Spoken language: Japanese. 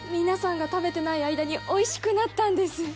皆さんが食べてない間においしくなったんです！